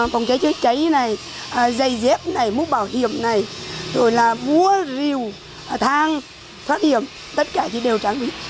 phòng cháy chữa cháy này dây dép này múc bảo hiểm này rồi là búa rìu thang thoát hiểm tất cả thì đều trang bị